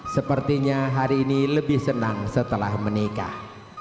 sepertinya hari ini lebih senang setelah menikah